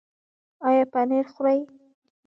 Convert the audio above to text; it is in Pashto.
ایا پنیر خورئ؟